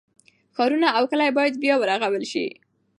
ښارونه او کلي باید بیا ورغول شي.